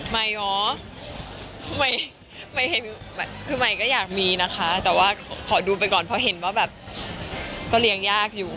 คือใหม่ก็อยากมีนะคะแต่ว่าขอดูไปก่อนเพราะเห็นว่าแบบก็เลี้ยงยากอยู่